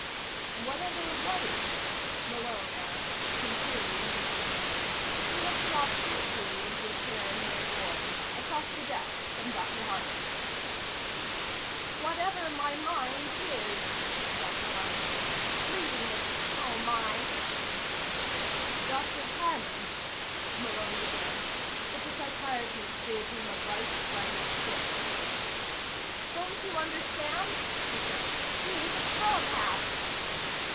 "Whatever what is?" Malone asked, sincerely interested. He had dropped gratefully into a chair near Boyd's, across the desk from Dr. Harman. "Whatever my mind is," Dr. Harmon said. "Reading it. Oh, my." "Dr. Harman," Malone began, but the psychiatrist gave him a bright blank stare. "Don't you understand?" he said. "She's a telepath."